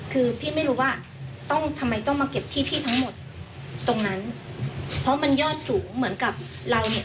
คือพี่ไม่รู้ว่าต้องทำไมต้องมาเก็บที่พี่ทั้งหมดตรงนั้นเพราะมันยอดสูงเหมือนกับเราเนี่ย